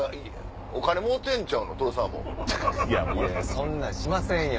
そんなんしませんよ。